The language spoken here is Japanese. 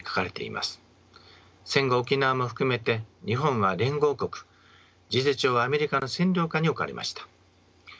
戦後沖縄も含めて日本は連合国事実上はアメリカの占領下に置かれました。